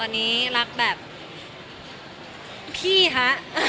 ตอนนี้รักแบบพี่ฮะ